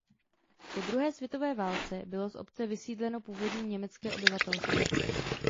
Po druhé světové válce bylo z obce vysídleno původní německé obyvatelstvo.